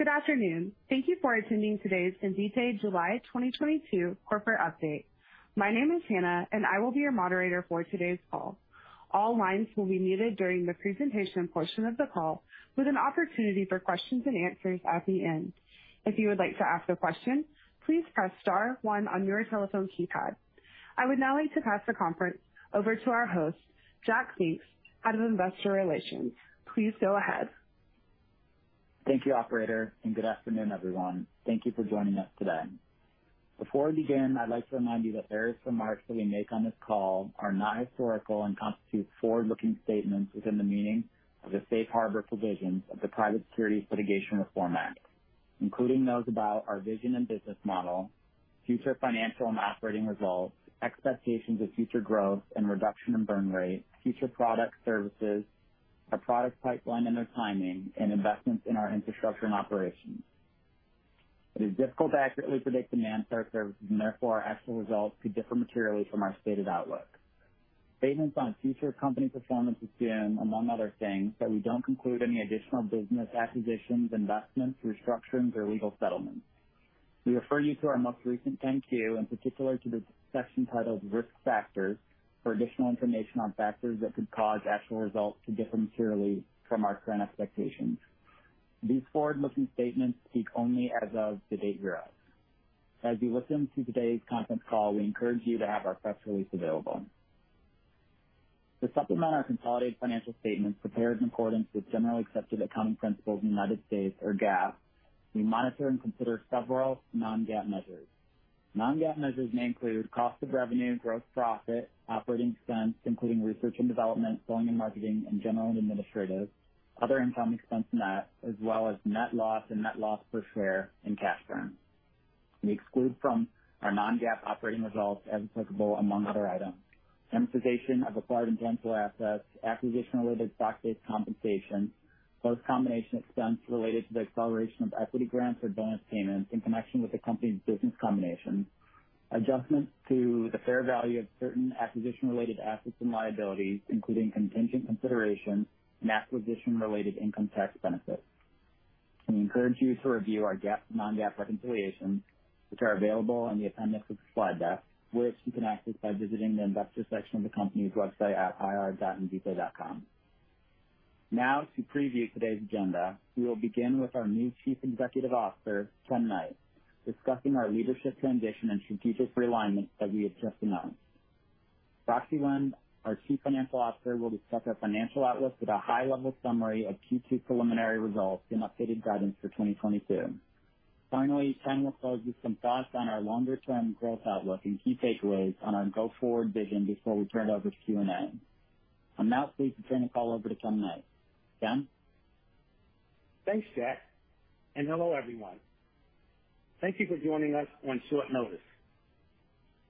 Good afternoon. Thank you for attending today's Invitae July 2022 corporate update. My name is Hannah, and I will be your moderator for today's call. All lines will be muted during the presentation portion of the call, with an opportunity for questions and answers at the end. If you would like to ask a question, please press star one on your telephone keypad. I would now like to pass the conference over to our host, Jack Finks, Head of Investor Relations. Please go ahead. Thank you, operator, and good afternoon, everyone. Thank you for joining us today. Before we begin, I'd like to remind you that various remarks that we make on this call are not historical and constitute forward-looking statements within the meaning of the safe harbor provisions of the Private Securities Litigation Reform Act, including those about our vision and business model, future financial and operating results, expectations of future growth and reduction in burn rate, future products, services, our product pipeline and their timing and investments in our infrastructure and operations. It is difficult to accurately predict demand for our services and therefore our actual results could differ materially from our stated outlook. Statements on future company performance assume, among other things, that we don't conclude any additional business acquisitions, investments, restructurings or legal settlements. We refer you to our most recent 10-Q, in particular to the section titled Risk Factors for additional information on factors that could cause actual results to differ materially from our current expectations. These forward-looking statements speak only as of the date thereof. As you listen to today's conference call, we encourage you to have our press release available. To supplement our consolidated financial statements prepared in accordance with generally accepted accounting principles in the United States or GAAP, we monitor and consider several non-GAAP measures. Non-GAAP measures may include cost of revenue, gross profit, operating expense, including research and development, selling and marketing, and general and administrative, other income expense net, as well as net loss and net loss per share and cash burn. We exclude from our non-GAAP operating results as applicable among other items. Amortization of acquired intangible assets, acquisition-related stock-based compensation, post-combination expense related to the acceleration of equity grants or bonus payments in connection with the company's business combination, adjustments to the fair value of certain acquisition-related assets and liabilities, including contingent consideration and acquisition-related income tax benefits. We encourage you to review our GAAP non-GAAP reconciliations, which are available in the appendix of the slide deck, which you can access by visiting the investor section of the company's website at ir dot Invitae dot com. Now to preview today's agenda. We will begin with our new Chief Executive Officer, Ken Knight, discussing our leadership transition and strategic realignment that we have just announced. Roxi Wen, our Chief Financial Officer, will discuss our financial outlook with a high-level summary of Q2 preliminary results and updated guidance for 2022. Finally, Ken will close with some thoughts on our longer-term growth outlook and key takeaways on our go-forward vision before we turn it over to Q&A. I'm now pleased to turn the call over to Ken Knight. Ken. Thanks, Jack, and hello, everyone. Thank you for joining us on short notice.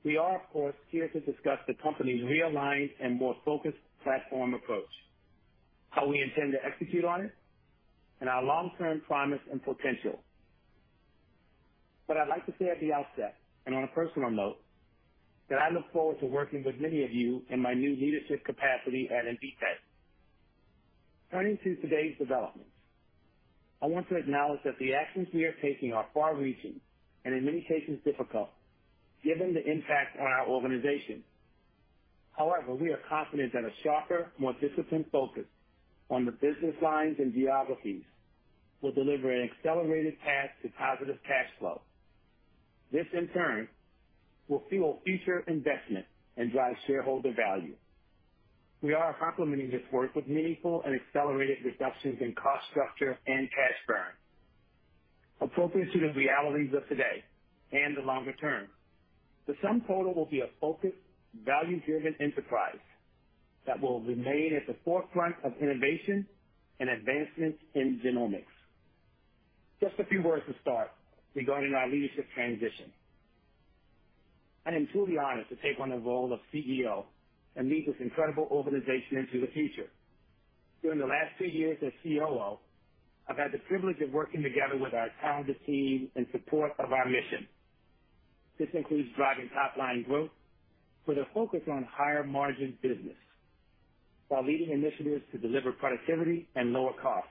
We are, of course, here to discuss the company's realigned and more focused platform approach, how we intend to execute on it, and our long-term promise and potential. What I'd like to say at the outset, and on a personal note, that I look forward to working with many of you in my new leadership capacity at Invitae. Turning to today's developments, I want to acknowledge that the actions we are taking are far-reaching and in many cases difficult given the impact on our organization. However, we are confident that a sharper, more disciplined focus on the business lines and geographies will deliver an accelerated path to positive cash flow. This in turn will fuel future investment and drive shareholder value. We are complementing this work with meaningful and accelerated reductions in cost structure and cash burn appropriate to the realities of today and the longer term. The sum total will be a focused, value-driven enterprise that will remain at the forefront of innovation and advancements in genomics. Just a few words to start regarding our leadership transition. I am truly honored to take on the role of CEO and lead this incredible organization into the future. During the last two years as COO, I've had the privilege of working together with our talented team in support of our mission. This includes driving top-line growth with a focus on higher margin business while leading initiatives to deliver productivity and lower costs,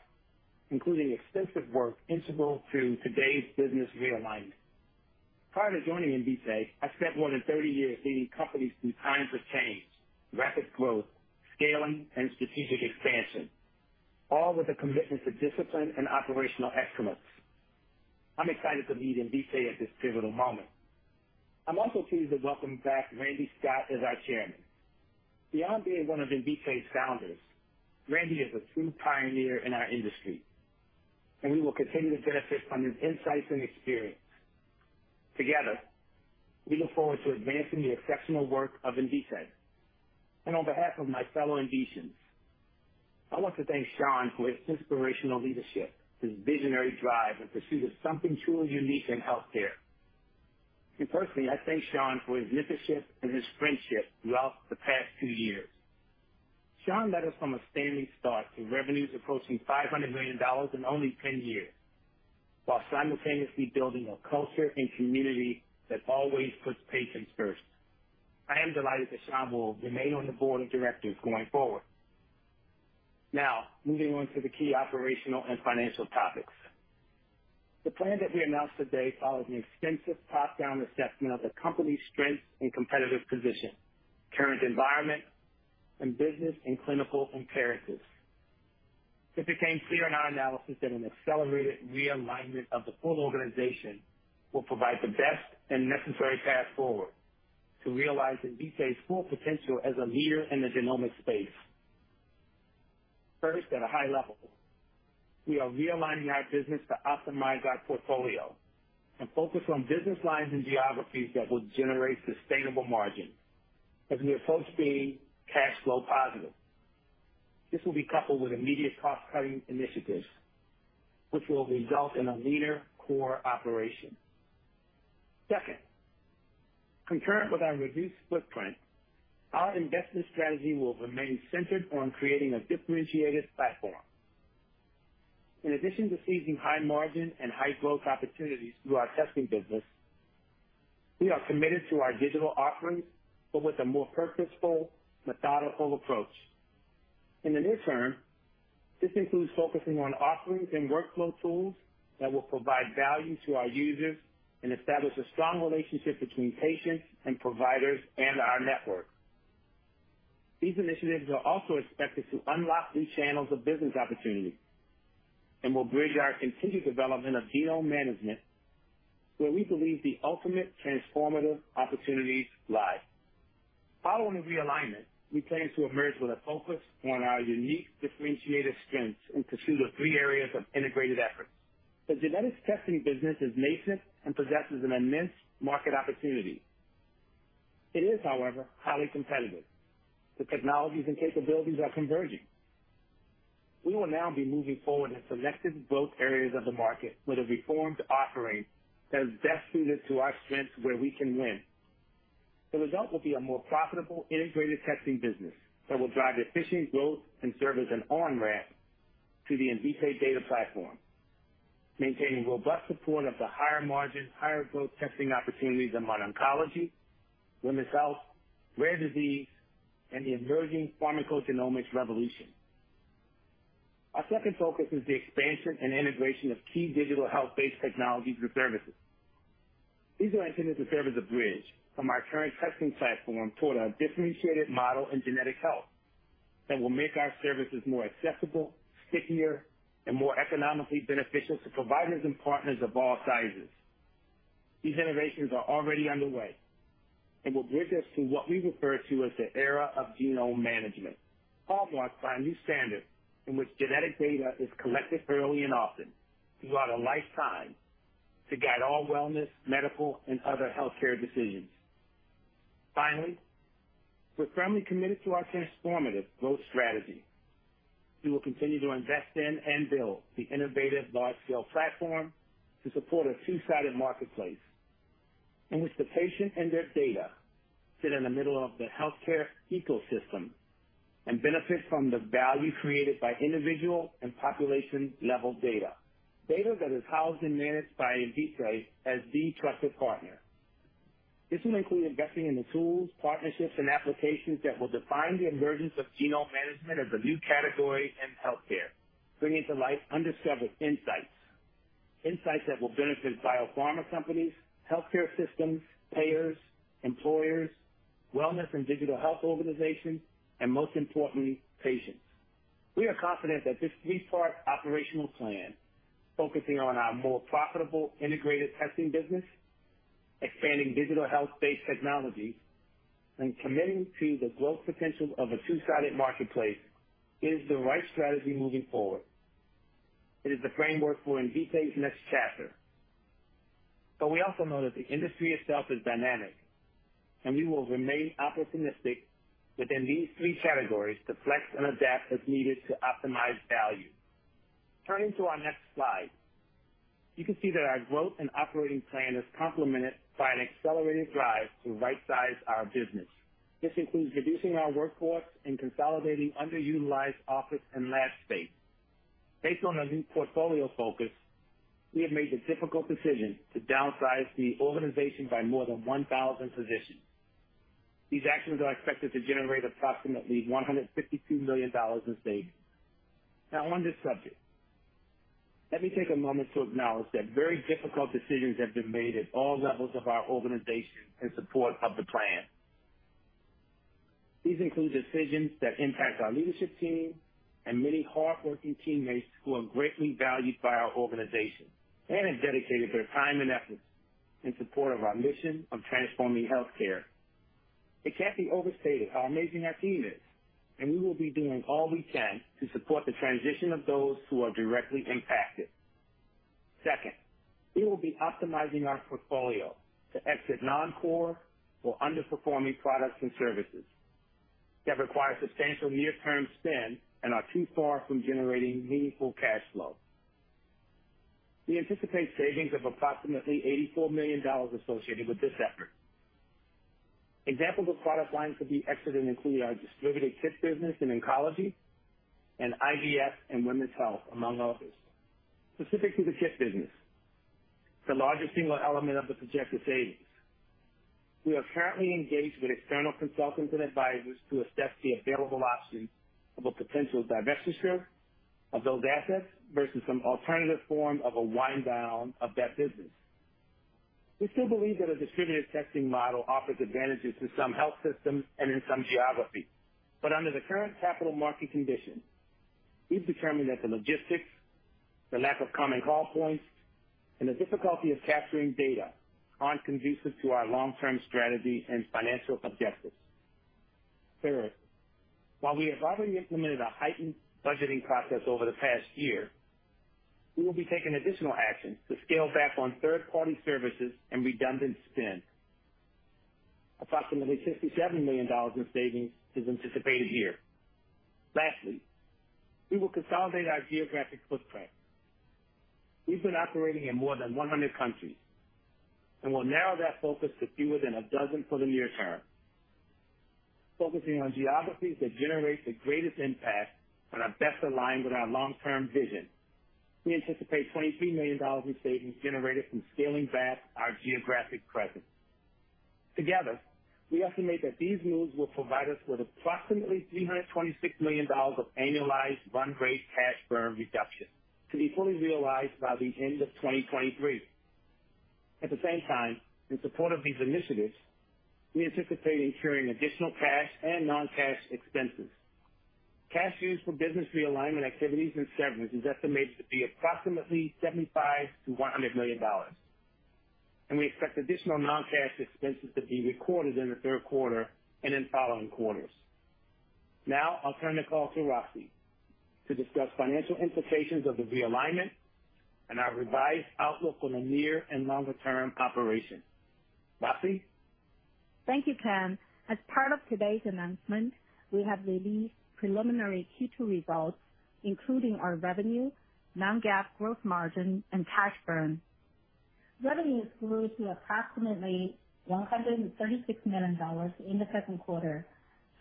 including extensive work integral to today's business realignment. Prior to joining Invitae, I spent more than 30 years leading companies through times of change, rapid growth, scaling and strategic expansion, all with a commitment to discipline and operational excellence. I'm excited to lead Invitae at this pivotal moment. I'm also pleased to welcome back Randy Scott as our chairman. Beyond being one of Invitae's founders, Randy is a true pioneer in our industry, and we will continue to benefit from his insights and experience. Together, we look forward to advancing the exceptional work of Invitae. On behalf of my fellow Invitaeans, I want to thank Sean for his inspirational leadership, his visionary drive in pursuit of something truly unique in healthcare. Personally, I thank Sean for his mentorship and his friendship throughout the past 2 years. Sean led us from a standing start to revenues approaching $500 million in only 10 years. While simultaneously building a culture and community that always puts patients first. I am delighted that Sean will remain on the board of directors going forward. Now, moving on to the key operational and financial topics. The plan that we announced today follows an extensive top-down assessment of the company's strengths and competitive position, current environment, and business and clinical imperatives. It became clear in our analysis that an accelerated realignment of the full organization will provide the best and necessary path forward to realize Invitae's full potential as a leader in the genomic space. First, at a high level, we are realigning our business to optimize our portfolio and focus on business lines and geographies that will generate sustainable margins as we approach being cash flow positive. This will be coupled with immediate cost-cutting initiatives, which will result in a leaner core operation. Second, concurrent with our reduced footprint, our investment strategy will remain centered on creating a differentiated platform. In addition to seizing high margin and high growth opportunities through our testing business, we are committed to our digital offerings, but with a more purposeful, methodical approach. In the near term, this includes focusing on offerings and workflow tools that will provide value to our users and establish a strong relationship between patients and providers and our network. These initiatives are also expected to unlock new channels of business opportunities and will bridge our continued development of genome management, where we believe the ultimate transformative opportunities lie. Following the realignment, we plan to emerge with a focus on our unique differentiated strengths and pursue the three areas of integrated efforts. The genetics testing business is nascent and possesses an immense market opportunity. It is, however, highly competitive. The technologies and capabilities are converging. We will now be moving forward in selected growth areas of the market with a reformed offering that is best suited to our strengths where we can win. The result will be a more profitable, integrated testing business that will drive efficient growth and serve as an on-ramp to the Invitae data platform, maintaining robust support of the higher margin, higher growth testing opportunities in modern oncology, women's health, rare disease, and the emerging pharmacogenomics revolution. Our second focus is the expansion and integration of key digital health-based technologies and services. These are intended to serve as a bridge from our current testing platform toward our differentiated model in genetic health that will make our services more accessible, stickier, and more economically beneficial to providers and partners of all sizes. These innovations are already underway and will bridge us to what we refer to as the era of genome management, marked by a new standard in which genetic data is collected early and often throughout a lifetime to guide all wellness, medical, and other healthcare decisions. Finally, we're firmly committed to our transformative growth strategy. We will continue to invest in and build the innovative large-scale platform to support a two-sided marketplace in which the patient and their data sit in the middle of the healthcare ecosystem and benefit from the value created by individual and population-level data. Data that is housed and managed by Invitae as the trusted partner. This will include investing in the tools, partnerships, and applications that will define the emergence of genome management as a new category in healthcare, bringing to life undiscovered insights that will benefit biopharma companies, healthcare systems, payers, employers, wellness and digital health organizations, and most importantly, patients. We are confident that this three-part operational plan, focusing on our more profitable integrated testing business, expanding digital health-based technologies, and committing to the growth potential of a two-sided marketplace, is the right strategy moving forward. It is the framework for Invitae's next chapter. We also know that the industry itself is dynamic, and we will remain opportunistic within these three categories to flex and adapt as needed to optimize value. Turning to our next slide, you can see that our growth and operating plan is complemented by an accelerated drive to rightsize our business. This includes reducing our workforce and consolidating underutilized office and lab space. Based on our new portfolio focus, we have made the difficult decision to downsize the organization by more than 1,000 positions. These actions are expected to generate approximately $152 million in savings. Now, on this subject, let me take a moment to acknowledge that very difficult decisions have been made at all levels of our organization in support of the plan. These include decisions that impact our leadership team and many hardworking teammates who are greatly valued by our organization and have dedicated their time and efforts in support of our mission of transforming healthcare. It can't be overstated how amazing our team is, and we will be doing all we can to support the transition of those who are directly impacted. Second, we will be optimizing our portfolio to exit non-core or underperforming products and services that require substantial near-term spend and are too far from generating meaningful cash flow. We anticipate savings of approximately $84 million associated with this effort. Examples of product lines to be exited include our distributed kit business in oncology and IVF and women's health, among others. Specific to the kit business, the largest single element of the projected savings, we are currently engaged with external consultants and advisors to assess the available options of a potential divestiture of those assets versus some alternative form of a wind down of that business. We still believe that a distributed testing model offers advantages to some health systems and in some geographies, but under the current capital market conditions, we've determined that the logistics, the lack of common call points, and the difficulty of capturing data aren't conducive to our long-term strategy and financial objectives. Third, while we have already implemented a heightened budgeting process over the past year, we will be taking additional actions to scale back on third-party services and redundant spend. Approximately $67 million in savings is anticipated here. Lastly, we will consolidate our geographic footprint. We've been operating in more than 100 countries, and we'll narrow that focus to fewer than 12 for the near term. Focusing on geographies that generate the greatest impact and are best aligned with our long-term vision. We anticipate $23 million in savings generated from scaling back our geographic presence. Together, we estimate that these moves will provide us with approximately $326 million of annualized run rate cash burn reduction to be fully realized by the end of 2023. At the same time, in support of these initiatives, we anticipate incurring additional cash and non-cash expenses. Cash used for business realignment activities and severance is estimated to be approximately $75 to 100 million. We expect additional non-cash expenses to be recorded in the third quarter and in following quarters. Now I'll turn the call to Roxi to discuss financial implications of the realignment and our revised outlook on the near and longer term operations. Roxi. Thank you, Ken. As part of today's announcement, we have released preliminary Q2 results, including our revenue, non-GAAP gross margin, and cash burn. Revenues grew to approximately $136 million in the second quarter,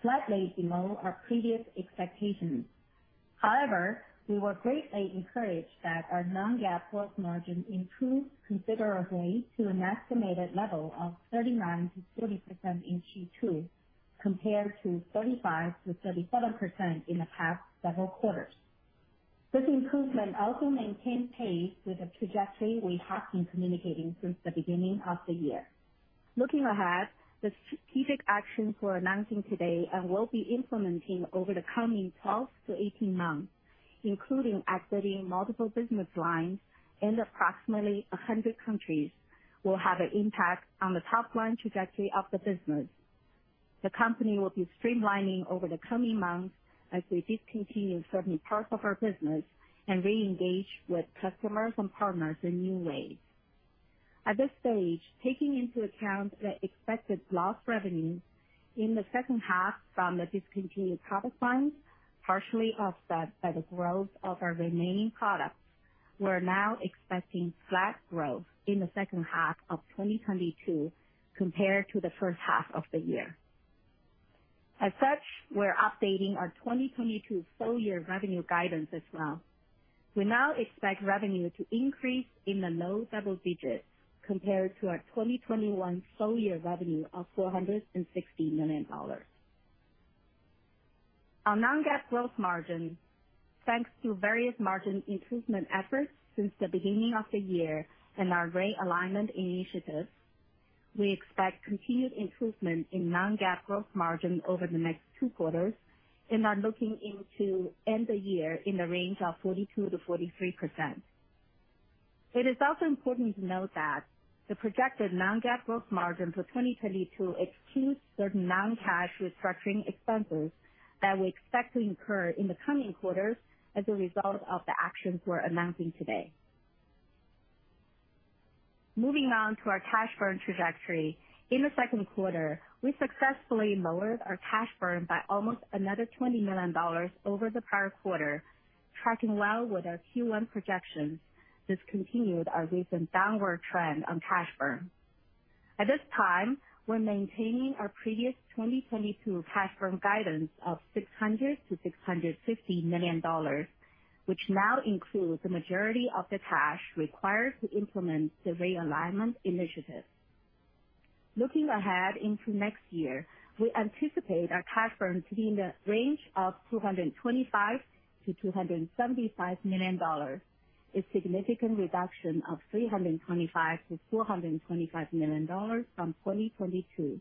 slightly below our previous expectations. However, we were greatly encouraged that our non-GAAP gross margin improved considerably to an estimated level of 39% to 40% in Q2, compared to 35% to 37% in the past several quarters. This improvement also maintained pace with the trajectory we have been communicating since the beginning of the year. Looking ahead, the strategic actions we're announcing today and will be implementing over the coming 12 to 18 months, including exiting multiple business lines in approximately 100 countries, will have an impact on the top line trajectory of the business. The company will be streamlining over the coming months as we discontinue certain parts of our business and reengage with customers and partners in new ways. At this stage, taking into account the expected lost revenue in the second half from the discontinued product lines, partially offset by the growth of our remaining products, we're now expecting flat growth in the second half of 2022 compared to the first half of the year. As such, we're updating our 2022 full year revenue guidance as well. We now expect revenue to increase in the low double digits compared to our 2021 full year revenue of $460 million. On non-GAAP gross margin, thanks to various margin improvement efforts since the beginning of the year and our realignment initiatives, we expect continued improvement in non-GAAP gross margin over the next two quarters and are looking to end the year in the range of 42% to 43%. It is also important to note that the projected non-GAAP gross margin for 2022 excludes certain non-cash restructuring expenses that we expect to incur in the coming quarters as a result of the actions we're announcing today. Moving on to our cash burn trajectory. In the second quarter, we successfully lowered our cash burn by almost another $20 million over the prior quarter, tracking well with our Q1 projections. This continued our recent downward trend on cash burn. At this time, we're maintaining our previous 2022 cash burn guidance of $600 to 650 million, which now includes the majority of the cash required to implement the realignment initiative. Looking ahead into next year, we anticipate our cash burn to be in the range of $225 to 275 million, a significant reduction of $325 to 425 million from 2022.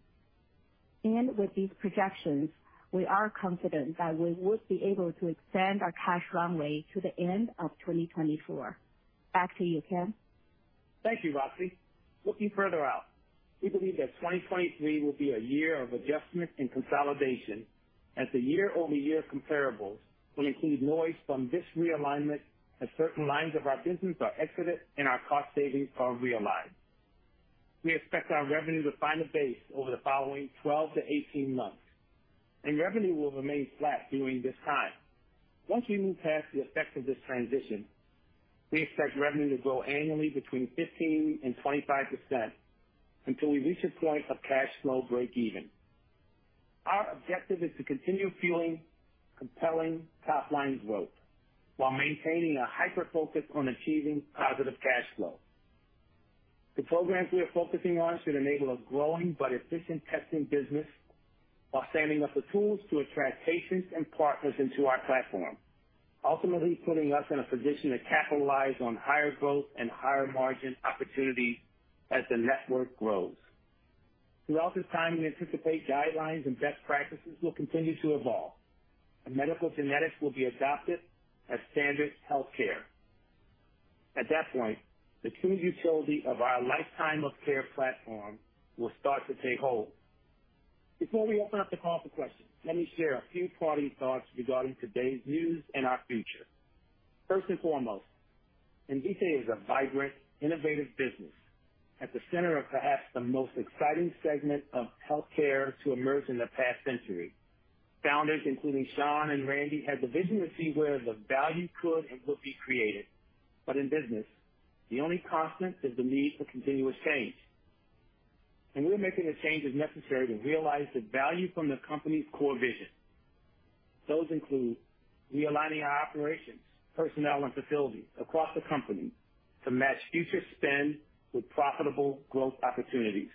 With these projections, we are confident that we would be able to extend our cash runway to the end of 2024. Back to you, Ken. Thank you, Roxy. Looking further out, we believe that 2023 will be a year of adjustment and consolidation as the year-over-year comparables will include noise from this realignment as certain lines of our business are exited and our cost savings are realized. We expect our revenue to find a base over the following 12 to 18 months, and revenue will remain flat during this time. Once we move past the effects of this transition. We expect revenue to grow annually between 15% and 25% until we reach a point of cash flow breakeven. Our objective is to continue fueling compelling top-line growth while maintaining a hyper focus on achieving positive cash flow. The programs we are focusing on should enable a growing but efficient testing business while setting up the tools to attract patients and partners into our platform, ultimately putting us in a position to capitalize on higher growth and higher margin opportunities as the network grows. Throughout this time, we anticipate guidelines and best practices will continue to evolve, and medical genetics will be adopted as standard healthcare. At that point, the true utility of our lifetime of care platform will start to take hold. Before we open up the call for questions, let me share a few parting thoughts regarding today's news and our future. First and foremost, Invitae is a vibrant, innovative business at the center of perhaps the most exciting segment of healthcare to emerge in the past century. Founders, including Sean and Randy, had the vision to see where the value could and would be created. In business, the only constant is the need for continuous change. We're making the changes necessary to realize the value from the company's core vision. Those include realigning our operations, personnel, and facilities across the company to match future spend with profitable growth opportunities.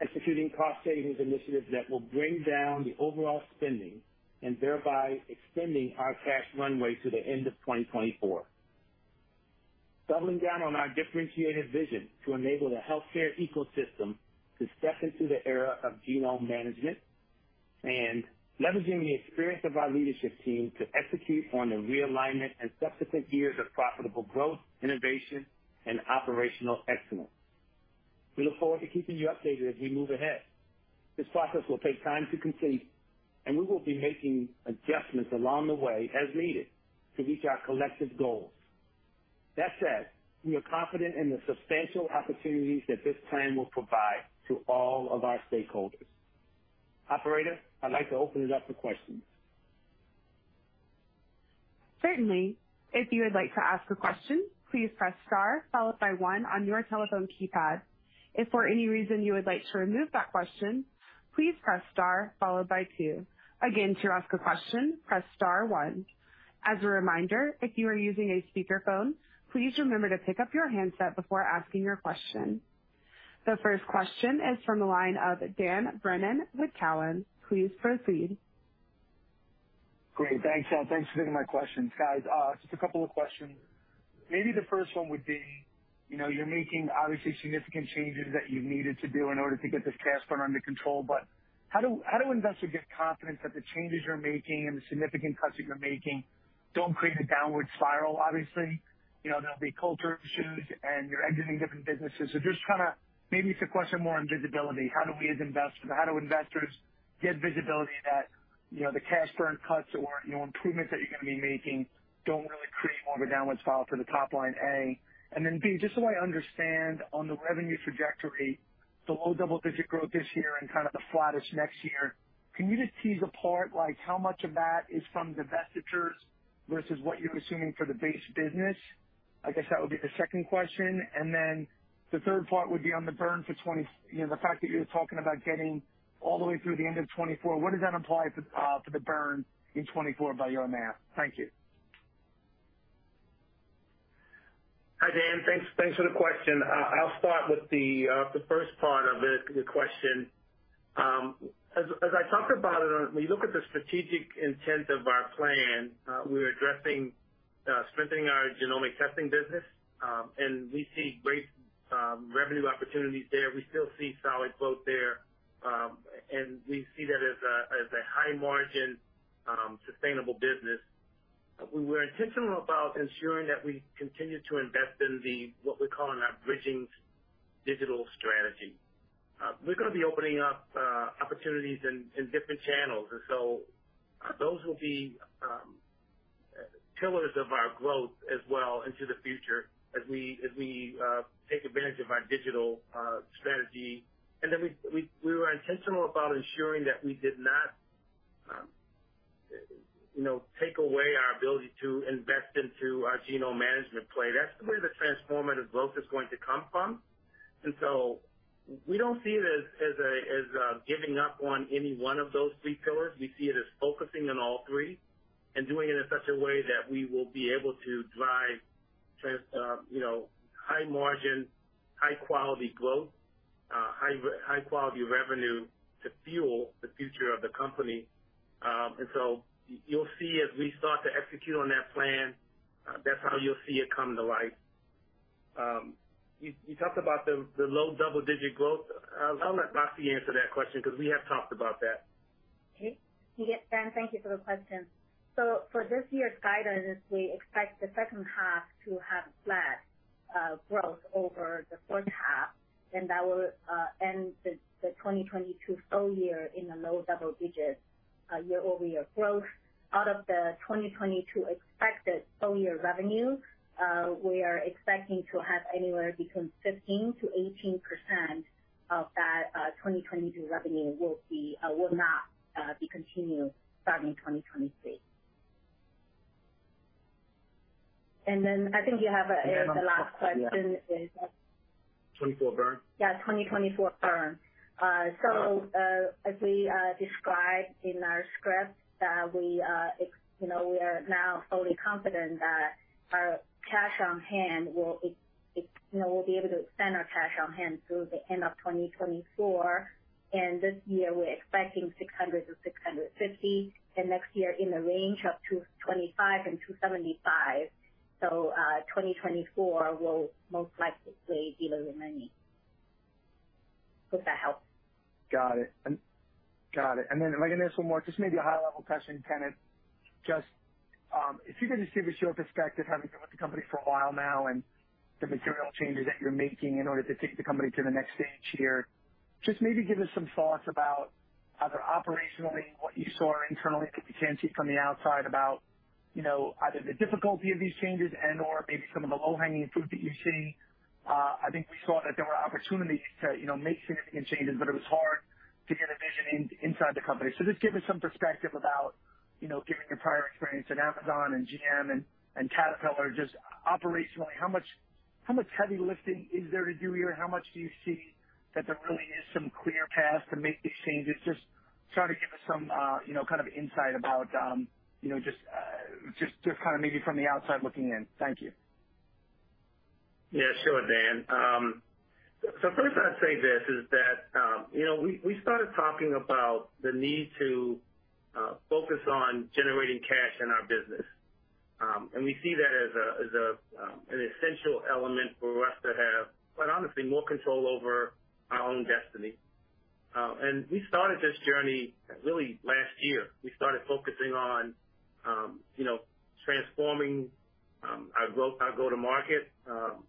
Executing cost savings initiatives that will bring down the overall spending and thereby extending our cash runway to the end of 2024. Doubling down on our differentiated vision to enable the healthcare ecosystem to step into the era of genome management. Leveraging the experience of our leadership team to execute on the realignment and subsequent years of profitable growth, innovation, and operational excellence. We look forward to keeping you updated as we move ahead. This process will take time to complete, and we will be making adjustments along the way as needed to reach our collective goals. That said, we are confident in the substantial opportunities that this plan will provide to all of our stakeholders. Operator, I'd like to open it up for questions. Certainly. If you would like to ask a question, please press star followed by one on your telephone keypad. If for any reason you would like to remove that question, please press star followed by two. Again, to ask a question, press star one. As a reminder, if you are using a speakerphone, please remember to pick up your handset before asking your question. The first question is from the line of Dan Brennan with Cowen. Please proceed. Great. Thanks. Thanks for taking my questions. Guys, just a couple of questions. Maybe the first one would be, you know, you're making obviously significant changes that you needed to do in order to get this cash burn under control, but how do investors get confidence that the changes you're making and the significant cuts that you're making don't create a downward spiral? Obviously, you know, there'll be culture issues and you're exiting different businesses. So just trying to maybe it's a question more on visibility. How do we as investors get visibility that, you know, the cash burn cuts or, you know, improvements that you're gonna be making don't really create more of a downward spiral for the top line, A. B, just so I understand on the revenue trajectory, the low double-digit growth this year and kind of the flattish next year, can you just tease apart, like how much of that is from divestitures versus what you're assuming for the base business? I guess that would be the second question. The third part would be on the burn for 2024, you know, the fact that you're talking about getting all the way through the end of 2024, what does that imply for for the burn in 2024 by your math? Thank you. Hi, Dan. Thanks. Thanks for the question. I'll start with the first part of the question. As I talked about when you look at the strategic intent of our plan, we're addressing strengthening our genomic testing business, and we see great revenue opportunities there. We still see solid growth there, and we see that as a high margin sustainable business. We were intentional about ensuring that we continue to invest in what we're calling our bridging digital strategy. We're gonna be opening up opportunities in different channels. Those will be pillars of our growth as well into the future as we take advantage of our digital strategy. We were intentional about ensuring that we did not, you know, take away our ability to invest into our genome management play. That's where the transformative growth is going to come from. We don't see it as a giving up on any one of those three pillars. We see it as focusing on all three and doing it in such a way that we will be able to drive you know, high margin, high quality growth, high quality revenue to fuel the future of the company. You'll see as we start to execute on that plan, that's how you'll see it come to life. You talked about the low double-digit growth. I'll let Roxi answer that question because we have talked about that. Okay. Yes, Dan, thank you for the question. For this year's guidance, we expect the second half to have flat growth over the first half, and that will end the 2022 full year in the low double digits year-over-year growth. Out of the 2022 expected full year revenue, we are expecting to have anywhere between 15% to 18% of that 2022 revenue will not be continued starting 2023. 24 burn. Yeah, 2024 burn. As we described in our script, you know, we are now fully confident that our cash on hand will, you know, we'll be able to extend our cash on hand through the end of 2024. This year we're expecting $600 to 650, and next year in the range of $225 to 275. 2024 will most likely be lower than $90. Hope that helps. Got it. Got it. Let me ask one more. Just maybe a high level question, Kenneth. Just, if you could just give us your perspective, having been with the company for a while now and the material changes that you're making in order to take the company to the next stage here. Just maybe give us some thoughts about either operationally, what you saw internally that we can't see from the outside about, you know, either the difficulty of these changes and/or maybe some of the low hanging fruit that you see. I think we saw that there were opportunities to, you know, make significant changes, but it was hard to get a vision inside the company. Just give us some perspective about, you know, given your prior experience at Amazon and GM and Caterpillar, just operationally, how much heavy lifting is there to do here? How much do you see that there really is some clear path to make these changes? Just try to give us some, you know, kind of insight about, you know, just kind of maybe from the outside looking in. Thank you. Yeah, sure, Dan. First I'd say this is that, you know, we started talking about the need to focus on generating cash in our business. We see that as an essential element for us to have, quite honestly, more control over our own destiny. We started this journey really last year. We started focusing on, you know, transforming our go-to-market.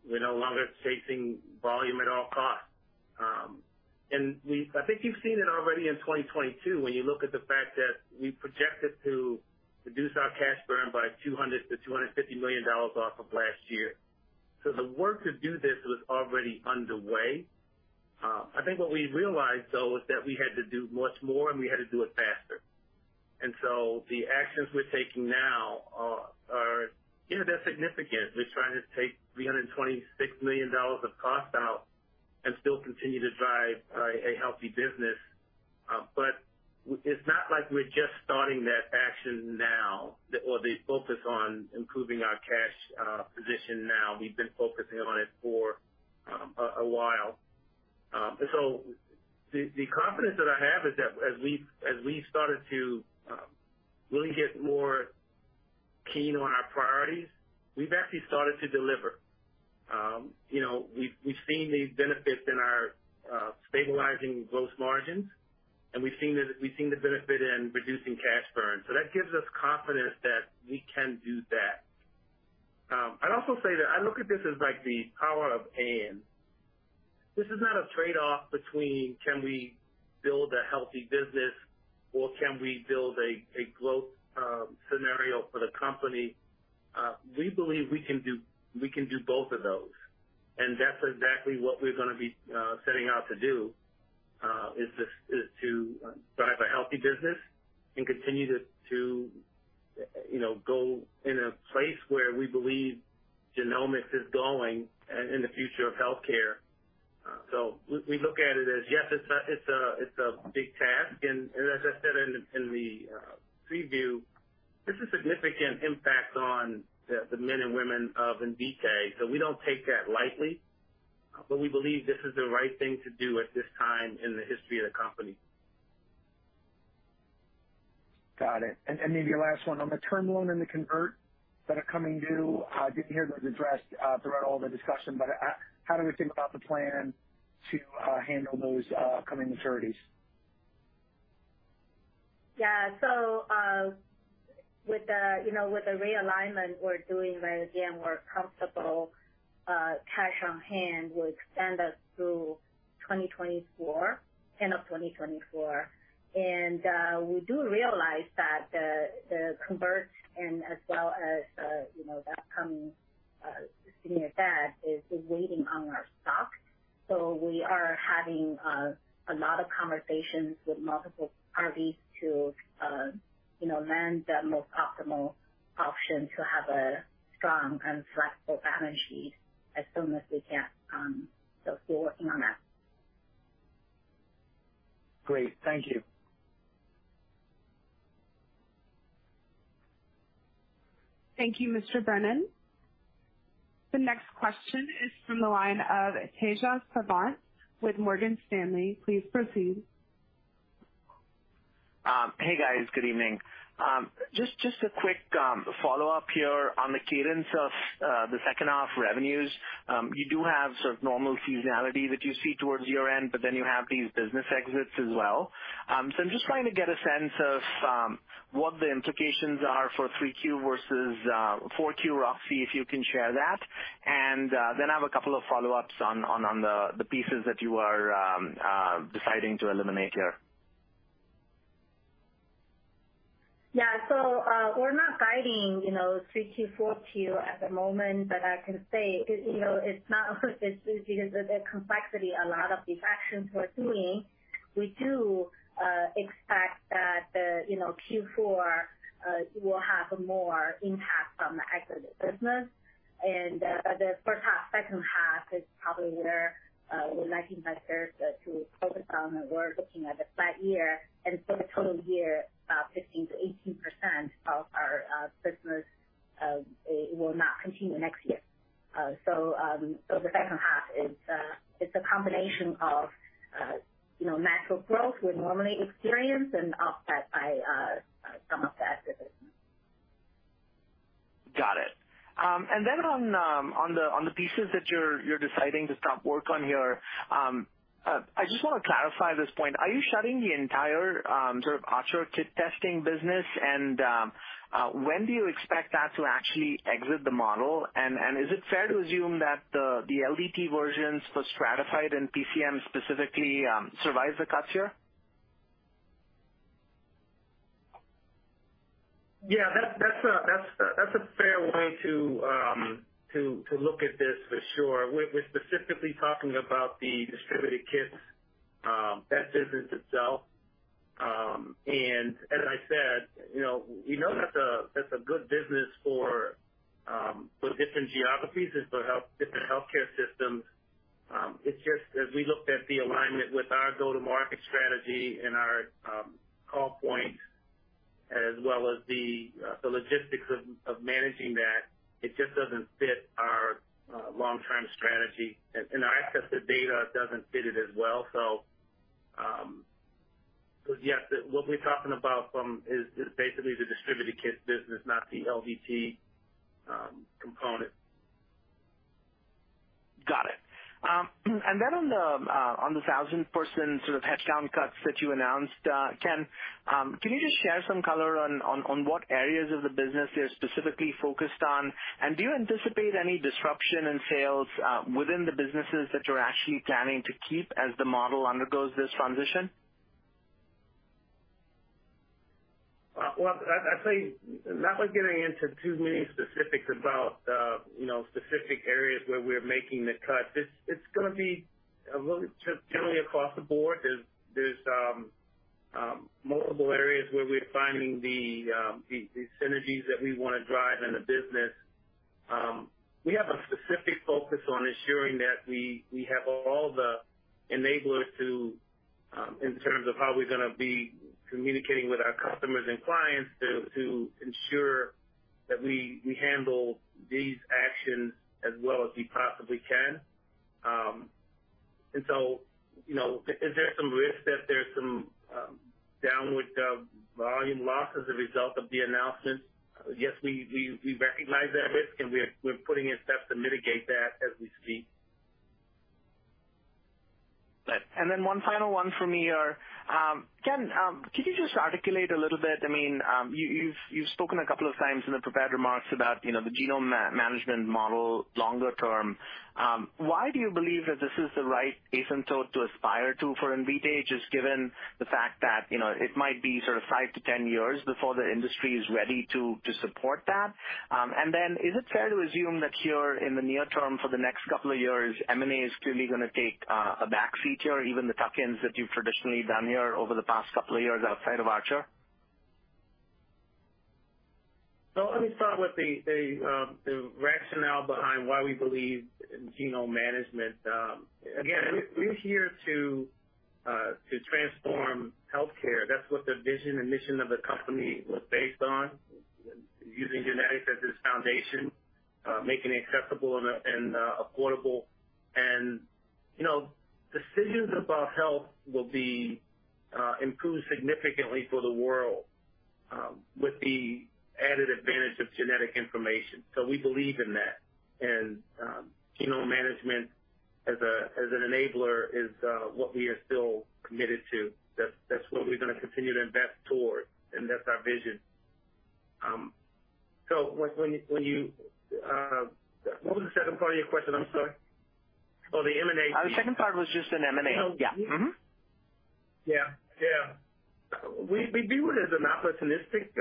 We're no longer chasing volume at all costs. I think you've seen it already in 2022 when you look at the fact that we projected to reduce our cash burn by $200 to 250 million off of last year. The work to do this was already underway. I think what we realized, though, was that we had to do much more and we had to do it faster. The actions we're taking now are, you know, they're significant. We're trying to take $326 million of cost out and still continue to drive a healthy business. It's not like we're just starting that action now or the focus on improving our cash position now. We've been focusing on it for a while. The confidence that I have is that as we've started to really get more keen on our priorities, we've actually started to deliver. You know, we've seen these benefits in our stabilizing gross margins, and we've seen the benefit in reducing cash burn. That gives us confidence that we can do that. I'd also say that I look at this as like the power of and. This is not a trade-off between can we build a healthy business or can we build a growth scenario for the company. We believe we can do both of those, and that's exactly what we're gonna be setting out to do, to drive a healthy business and continue to you know go in a place where we believe genomics is going in the future of healthcare. We look at it as yes, it's a big task. As I said in the preview, this is significant impact on the men and women of Invitae. We don't take that lightly, but we believe this is the right thing to do at this time in the history of the company. Got it. Maybe last one. On the term loan and the convert that are coming due, I didn't hear those addressed throughout all the discussion, but how do we think about the plan to handle those coming maturities? Yeah. With the realignment we're doing where, again, we're comfortable cash on hand will extend us through 2024, end of 2024. We do realize that the converts and as well as you know, the upcoming senior debt is weighing on our stock. We are having a lot of conversations with multiple parties to you know, learn the most optimal option to have a strong and flexible balance sheet as soon as we can. We're working on that. Great. Thank you. Thank you, Mr. Brennan. The next question is from the line of Tejas Savant with Morgan Stanley. Please proceed. Hey, guys. Good evening. Just a quick follow-up here on the cadence of the second half revenues. You do have sort of normal seasonality that you see towards year end, but then you have these business exits as well. So I'm just trying to get a sense of what the implications are for Q3 versus Q4 roughly, if you can share that. Then I have a couple of follow-ups on the pieces that you are deciding to eliminate here. Yeah. We're not guiding, you know, Q3, Q4 at the moment. I can say, you know, it's not because of the complexity a lot of these actions we're doing. We do expect that the, you know, Q4 will have more impact on the exit business. The first half, second half is probably where we'd like investors to focus on. We're looking at a flat year and for the total year, 15% to 18% of our business will not continue next year. The second half is, it's a combination of, you know, natural growth we normally experience and offset by some of the exit business. Got it. On the pieces that you're deciding to stop work on here, I just wanna clarify this point. Are you shutting the entire sort of ArcherDX kit testing business? When do you expect that to actually exit the model? Is it fair to assume that the LDT versions for Stratafide and PCM specifically survive the cuts here? Yeah, that's a fair way to look at this for sure. We're specifically talking about the distributed kits that business itself. As I said, you know, we know that's a good business for different geographies and for health different healthcare systems. It's just as we looked at the alignment with our go-to-market strategy and our call points as well as the logistics of managing that, it just doesn't fit our long-term strategy. Our access to data doesn't fit it as well. Yes, what we're talking about is basically the distributed kits business, not the LDT component. Got it. On the 1,000-person sort of headcount cuts that you announced, Ken, can you just share some color on what areas of the business you're specifically focused on? Do you anticipate any disruption in sales within the businesses that you're actually planning to keep as the model undergoes this transition? Well, I'd say not like getting into too many specifics about, you know, specific areas where we're making the cuts. It's gonna be a little generally across the board. There's multiple areas where we're finding the synergies that we wanna drive in the business. We have a specific focus on ensuring that we have all the enablers to, in terms of how we're gonna be communicating with our customers and clients to ensure that we handle these actions as well as we possibly can. You know, is there some risk that there's some downward volume loss as a result of the announcements? Yes, we recognize that risk, and we're putting in steps to mitigate that as we speak. Right. One final one for me here. Ken, can you just articulate a little bit, I mean, you've spoken a couple of times in the prepared remarks about, you know, the genome management model longer term. Why do you believe that this is the right asymptote to aspire to for Invitae, just given the fact that, you know, it might be sort of 5 to 10 years before the industry is ready to support that? Is it fair to assume that you're in the near term for the next couple of years, M&A is clearly gonna take a back seat here, even the tuck-ins that you've traditionally done here over the past couple of years outside of Archer? Let me start with the rationale behind why we believe in genome management. Again, we're here to transform healthcare. That's what the vision and mission of the company was based on, using genetics as its foundation, making it accessible and affordable. You know, decisions about health will be improved significantly for the world with the added advantage of genetic information. We believe in that. Genome management as an enabler is what we are still committed to. That's what we're gonna continue to invest towards, and that's our vision. When you. What was the second part of your question? I'm sorry. Oh, the M&A piece. The second part was just on M&A. Yeah. Yeah. We view it as an opportunistic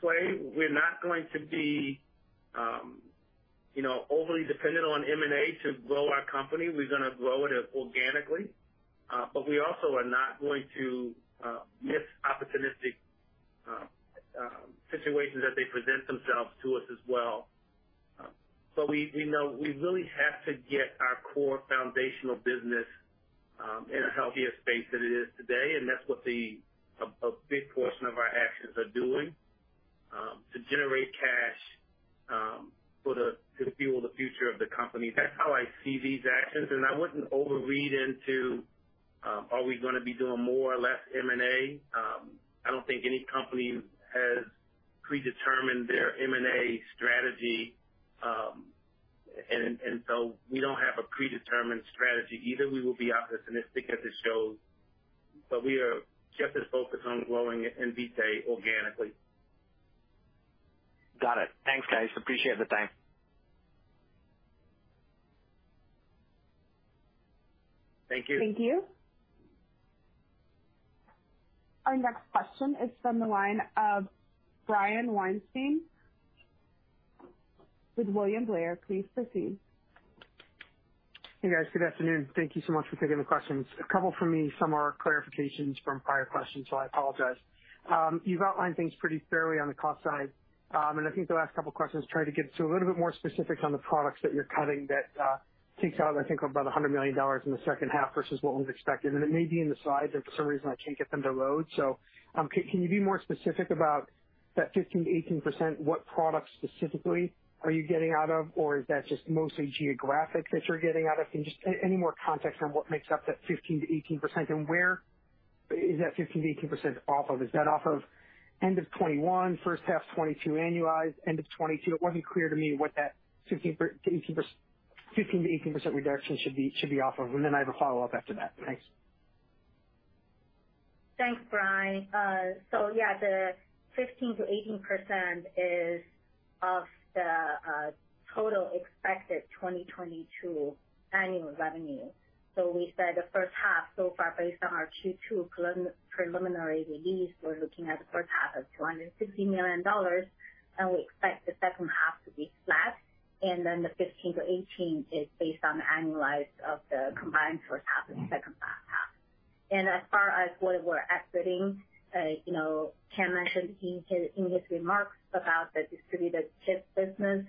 play. We're not going to be you know, overly dependent on M&A to grow our company. We're gonna grow it organically. We also are not going to miss opportunistic situations as they present themselves to us as well. We know we really have to get our core foundational business in a healthier space than it is today, and that's what a big portion of our actions are doing to generate cash to fuel the future of the company. That's how I see these actions. I wouldn't overread into are we gonna be doing more or less M&A? I don't think any company has predetermined their M&A strategy. We don't have a predetermined strategy either. We will be opportunistic as it shows, but we are just as focused on growing Invitae organically. Got it. Thanks, guys. Appreciate the time. Thank you. Thank you. Our next question is from the line of Brian Weinstein with William Blair. Please proceed. Hey, guys. Good afternoon. Thank you so much for taking the questions. A couple from me. Some are clarifications from prior questions, so I apologize. You've outlined things pretty thoroughly on the cost side. I think the last couple questions try to get to a little bit more specifics on the products that you're cutting that shakes out, I think, about $100 million in the second half versus what was expected. It may be in the slides, if for some reason I can't get them to load. Can you be more specific about that 15% to 18%? What products specifically are you getting out of? Or is that just mostly geographic that you're getting out of? Just any more context on what makes up that 15% to 18% and where is that 15% to 18% off of? Is that off of end of 2021, first half 2022, annualized end of 2022? It wasn't clear to me what that 15% to 18% reduction should be off of. I have a follow-up after that. Thanks. Thanks, Brian. Yeah, the 15% to 18% is of the total expected 2022 annual revenue. We said the first half so far based on our Q2 preliminary release, we're looking at a first half of $260 million, and we expect the second half to be flat. Then the 15% to 18% is based on the annualization of the combined first half and second half. As far as what we're exiting, you know, Ken mentioned in his remarks about the distributed kits business,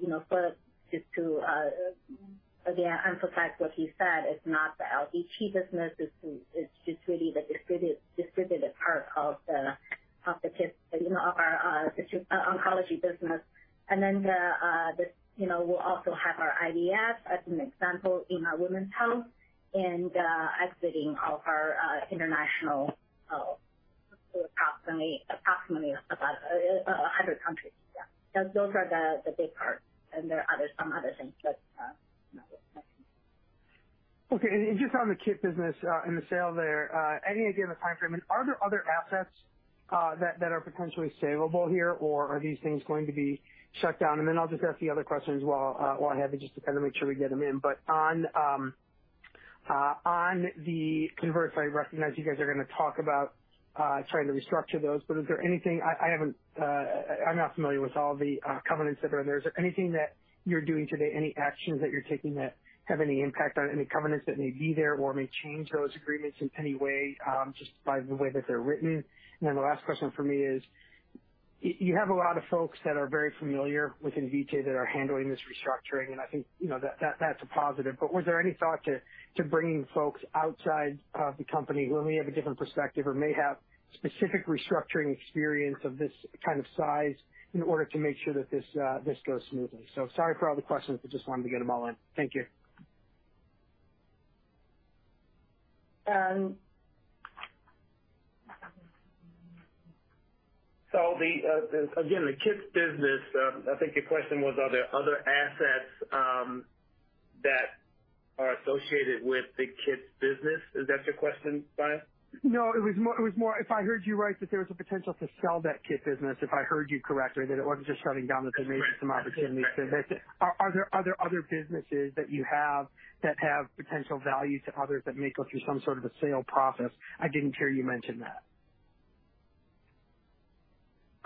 you know, sort of just to again unpack what he said, it's not the LDT business. It's just really the distributed part of the kits, you know, of our oncology business. You know, we'll also have our IVF as an example in our women's health and exiting of our international, so approximately about 100 countries. Yeah. Those are the big parts. There are some other things, but. Okay. Just on the kit business and the sale there, any idea of the timeframe? Are there other assets that are potentially saleable here, or are these things going to be shut down? Then I'll just ask the other questions while I have it just to kind of make sure we get them in. On the converts, I recognize you guys are gonna talk about trying to restructure those, but I'm not familiar with all the covenants that are in there. Is there anything that you're doing today, any actions that you're taking that have any impact on any covenants that may be there or may change those agreements in any way, just by the way that they're written? The last question from me is, you have a lot of folks that are very familiar with Invitae that are handling this restructuring, and I think, you know, that that's a positive. But was there any thought to bringing folks outside of the company who may have a different perspective or may have specific restructuring experience of this kind of size in order to make sure that this goes smoothly? Sorry for all the questions. I just wanted to get them all in. Thank you. Again, the kits business, I think your question was, are there other assets that are associated with the kits business? Is that your question, Brian? No, it was more if I heard you right, that there was a potential to sell that kit business, if I heard you correctly, that it wasn't just shutting down, that there may be some opportunities. Are there other businesses that you have that have potential value to others that may go through some sort of a sale process? I didn't hear you mention that.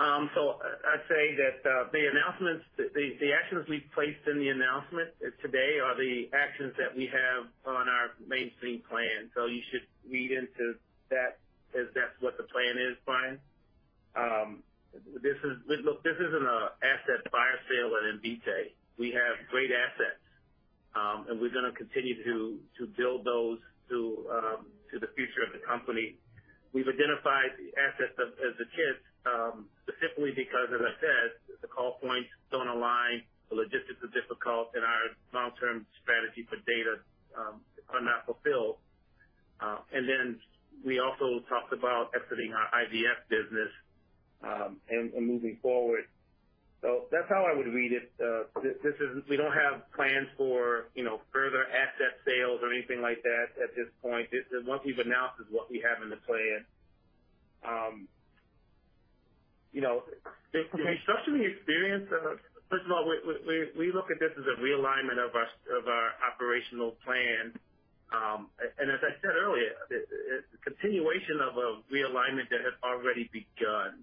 I'd say that the announcements, the actions we've placed in the announcement today are the actions that we have on our mainstream plan. You should read into that as that's what the plan is, Brian. Look, this isn't an asset fire sale at Invitae. We have great assets, and we're gonna continue to build those to the future of the company. We've identified the assets off as the kits, specifically because as I said, the call points don't align, the logistics are difficult and our long-term strategy for data are not fulfilled. And then we also talked about exiting our IVF business, and moving forward. That's how I would read it. This isn't. We don't have plans for, you know, further asset sales or anything like that at this point. What we've announced is what we have in the plan. You know, the restructuring experience, first of all, we look at this as a realignment of our operational plan. As I said earlier, the continuation of a realignment that has already begun.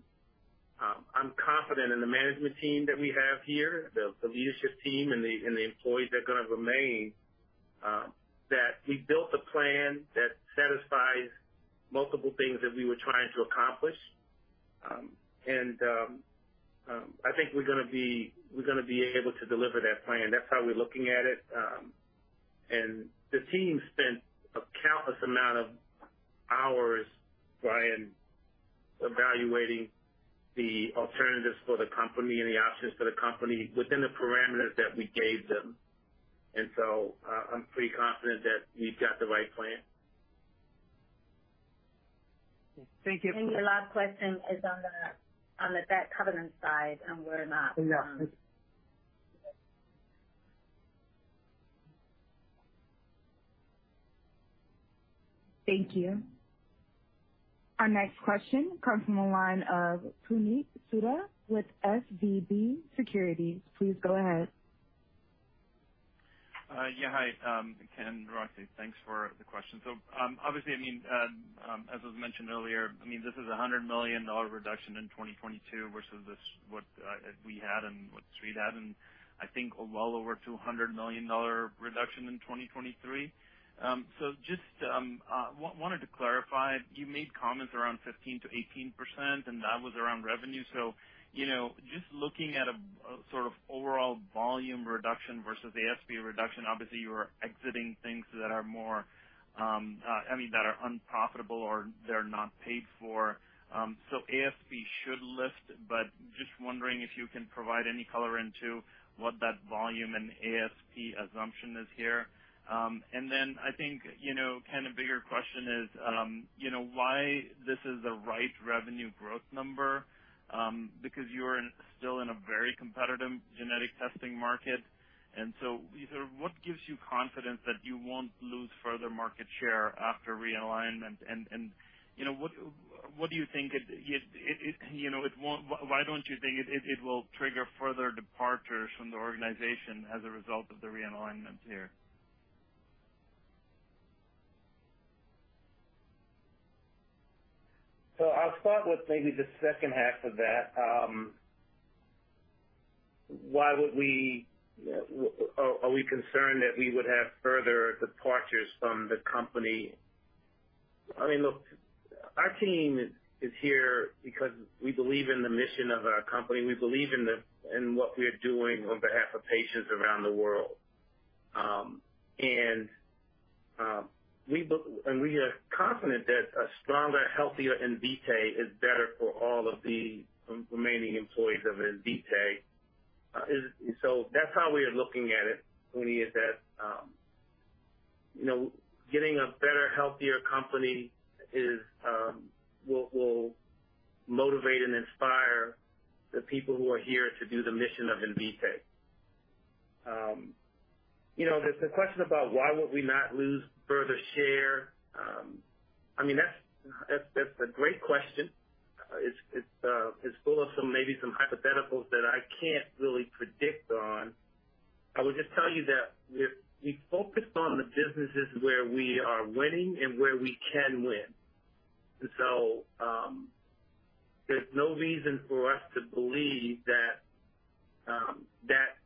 I'm confident in the management team that we have here, the leadership team and the employees that are gonna remain, that we built a plan that satisfies multiple things that we were trying to accomplish. I think we're gonna be able to deliver that plan. That's how we're looking at it. The team spent a countless amount of hours, Brian, evaluating the alternatives for the company and the options for the company within the parameters that we gave them. I'm pretty confident that we've got the right plan. Thank you. Your last question is on the debt covenant side and we're not. Yeah. Thank you. Our next question comes from the line of Puneet Souda with SVB Securities. Please go ahead. Yeah, hi, Ken, Roxy, thanks for the questions. Obviously, I mean, as was mentioned earlier, I mean, this is a $100 million reduction in 2022, which is what we had and what Street had, and I think well over $200 million reduction in 2023. Just wanted to clarify, you made comments around 15% to 18%, and that was around revenue. You know, just looking at a sort of overall volume reduction versus ASP reduction, obviously, you are exiting things that are more, I mean, that are unprofitable or they're not paid for. ASP should lift, but just wondering if you can provide any color into what that volume and ASP assumption is here. I think, you know, kind of bigger question is, you know, why this is the right revenue growth number, because you're still in a very competitive genetic testing market. Either what gives you confidence that you won't lose further market share after realignment and why don't you think it will trigger further departures from the organization as a result of the realignment here? I'll start with maybe the second half of that. Why would we are we concerned that we would have further departures from the company? I mean, look, our team is here because we believe in the mission of our company. We believe in what we are doing on behalf of patients around the world. We are confident that a stronger, healthier Invitae is better for all of the remaining employees of Invitae. That's how we are looking at it, Puneet, is that, you know, getting a better, healthier company is will motivate and inspire the people who are here to do the mission of Invitae. You know, the question about why would we not lose further share, I mean, that's a great question. It's full of some maybe some hypotheticals that I can't really predict on. I would just tell you that we focused on the businesses where we are winning and where we can win. There's no reason for us to believe that that